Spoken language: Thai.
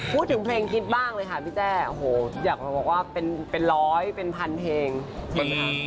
พูดถึงเพลงฮิตบ้างเลยค่ะพี่แจ้โอ้โหอยากบอกว่าเป็นร้อยเป็นพันเพลง